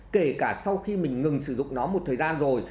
kể cả sau khi mình ngừng sử dụng nó một thời gian rồi